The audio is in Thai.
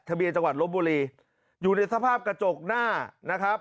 เบียนจังหวัดลบบุรีอยู่ในสภาพกระจกหน้านะครับ